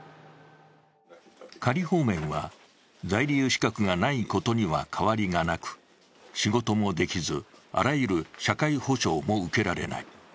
仮放免は在留資格がないことには変わりがなく、仕事もできず、あらゆる社会保障も受けられない。